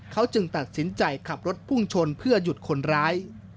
เขาจึงตัดสินใจขับรถพุ่งชนเพื่อหยุดคนร้าย